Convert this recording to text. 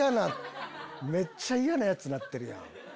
めっちゃ嫌なヤツなってるやん。